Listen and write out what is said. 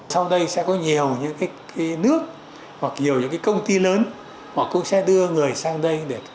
sau đây sẽ có nhiều những nước hoặc nhiều những công ty lớn họ cũng sẽ đưa người sang đây để